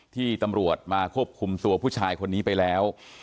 ที่ตำรวจมาควบคุมตัวผู้ชายคนนี้ไปแล้ว